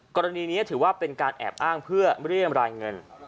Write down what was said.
กรณีนี้ถือว่าเป็นการแอบอ้างเพื่อเรียมรายเงิน